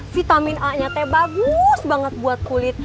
vitamin a nyatanya bagus banget buat kulit